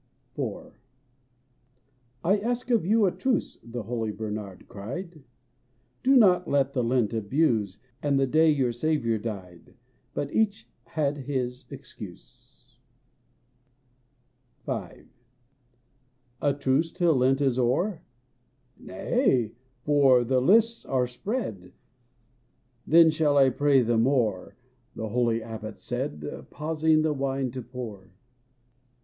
117 IV. ''I ask of you a truce/' The holy Bernard cried; ''Do not the Lent abuse, And the day your Saviour died But each had his excuse. V. "A truce till Lent is o'er? Nay, for the lists are spread I" "Then shall I pray the more," (The holy Abbot said, Pausing the wine to pour, VI.